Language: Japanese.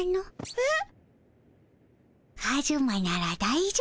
えっ？